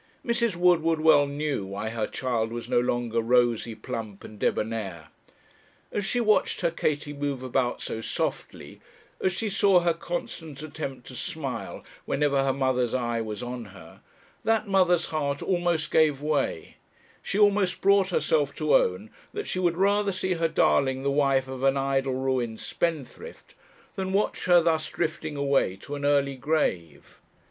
Mrs. Woodward well knew why her child was no longer rosy, plump, and débonnaire. As she watched her Katie move about so softly, as she saw her constant attempt to smile whenever her mother's eye was on her, that mother's heart almost gave way; she almost brought herself to own that she would rather see her darling the wife of an idle, ruined spendthrift, than watch her thus drifting away to an early grave.